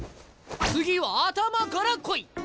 次は頭から来い。